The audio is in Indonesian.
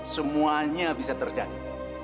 semuanya bisa terjadi